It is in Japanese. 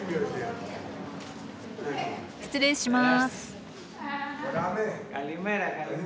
失礼します。